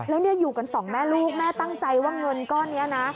แล้วเนี่ยอยู่กันสองแม่ลูกแม่ตั้งใจว่าเงินก้อนนี้นะ